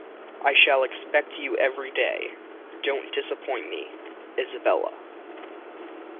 I shall expect you every day — don’t disappoint me! — Isabella.